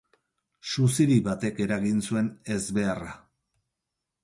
Suziri batek eragin zuen ezbeharra.